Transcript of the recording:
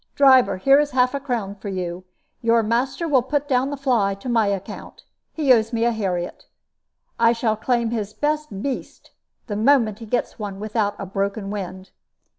Driver, here is half a crown for you. Your master will put down the fly to my account. He owes me a heriot. I shall claim his best beast, the moment he gets one without a broken wind."